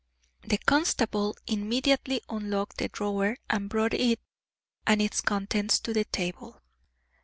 The constable immediately unlocked the drawer and brought it and its contents to the table.